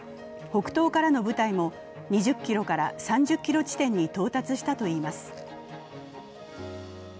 北東からの部隊も２０ｋｍから３０ｋｍ地点に到達したといいます。